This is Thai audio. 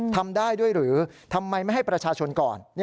ทำได้ด้วยหรือทำไมไม่ให้ประชาชนก่อน